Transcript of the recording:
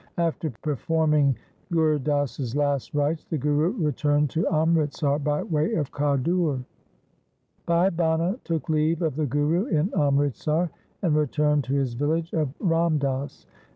After performing Gur Das's last rites the Guru returned to Amritsar by way of Khadur. Bhai Bhana took leave of the Guru in Amritsar and returned to his village of Ramdas.